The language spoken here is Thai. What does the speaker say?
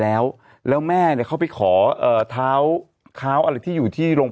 แล้วแล้วแม่เนี่ยเขาไปขอเอ่อเท้าเท้าอะไรที่อยู่ที่โรง